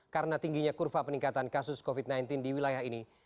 karena tingginya kurva peningkatan kasus covid sembilan belas di wilayah ini